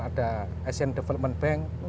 ada asian development bank